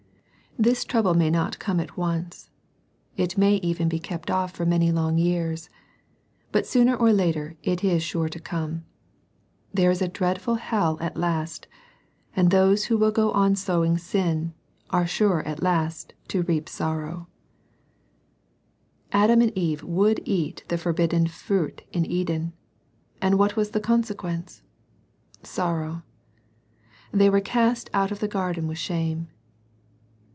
This trouble may not come at once. It may even be kept off for many long years. But sooner or later it is sure to come. There is a dreadful hell at last, and those who will go on sowing sin, are sure at last to i^a^ ^ortow . 1 6 SERMONS FOR CHILDREN. Adam and Eve would eat the forbidden fruit ' in Eden, and what was the consequence ? Sor row. They were cast out of the garden with shame.